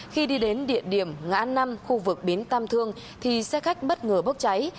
khi đi đến địa điểm ngã năm khu vực bến tam thương thì xe khách bất ngờ bốc cháy